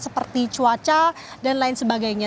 seperti cuaca dan lain sebagainya